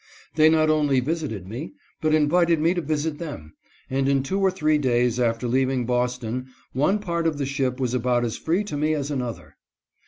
They not only visited me, but invited me to visit them, and in two or three days after leaving Boston one part of the ship was about as free to me as another.